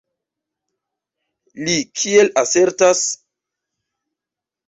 Li kiel asertas?